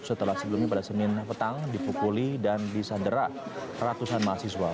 setelah sebelumnya pada senin petang dipukuli dan disandera ratusan mahasiswa